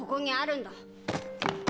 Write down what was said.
ん？